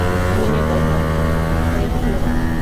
মিনির দাইমা হয়ে এসেছিলাম আমি।